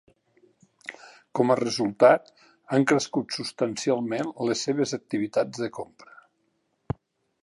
Com a resultat, han crescut substancialment les seves activitats de compra.